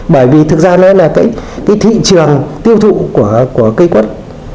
bởi vì thực ra là cái thị trường tiêu thụ của cây quất